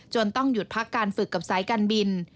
ต้องหยุดพักการฝึกกับสายการบิน